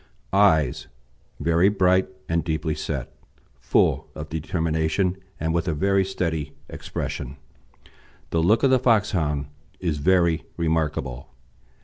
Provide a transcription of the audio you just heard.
EYES Very bright and deeply set, full of determination, and with a very steady expression. The look of the Foxhound is very remarkable.